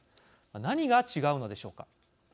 何が違うのでしょうか。